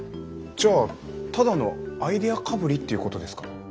じゃあただのアイデアかぶりっていうことですか？